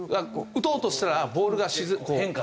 打とうとしたらボールがこう変化する。